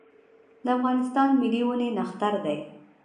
د افغانستان ملي ونې نښتر دی